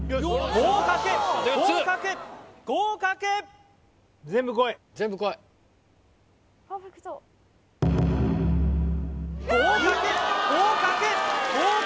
合格合格合格合格！